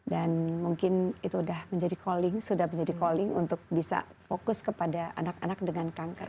dan mungkin itu sudah menjadi calling untuk bisa fokus kepada anak anak dengan kanker